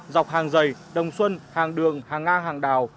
dọc hàng dày đồng xuân hàng đường hàng ngang hàng đào